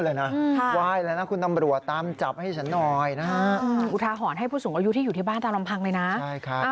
ย่ายมันท่อนสุขภาพหลายแล้ว